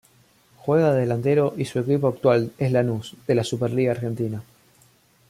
Juega de delantero y su equipo actual es Lanús, de la Superliga Argentina.